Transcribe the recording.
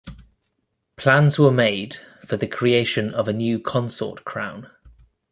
Plans were made for the creation of a new consort crown.